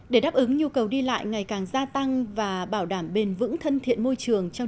để đáp ứng nhu cầu đi lại ngày càng gia tăng và bảo đảm bền vững thân thiện môi trường